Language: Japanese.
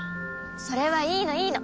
それはいいのいいの。